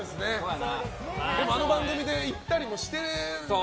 でもあの番組で行ったりもしてるんですよね。